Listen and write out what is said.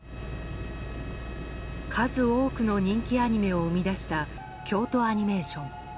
数多くの人気アニメを生み出した、京都アニメーション。